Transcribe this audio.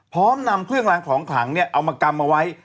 พร้อมนำเครื่องรางของขลังเนี่ยเอามากำเอาไว้